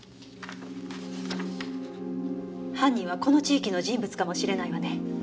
犯人はこの地域の人物かもしれないわね。